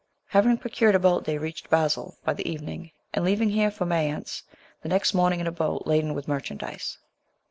Having procured a boat they reached Basle by the evening, and leaving there for Mayence the next morning in a boat laden with merchandise.